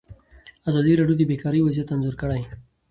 ازادي راډیو د بیکاري وضعیت انځور کړی.